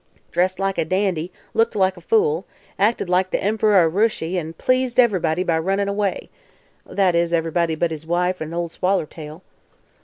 "Dressed like a dandy, looked like a fool, acted like the Emp'ror o' Rooshy an' pleased ev'rybody by runnin' away. That is, ev'rybody but his wife an' Ol' Swallertail."